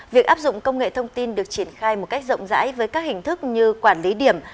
việc áp dụng công nghệ thông tin được triển khai một cách rộng rãi với các hình thức như quản lý điểm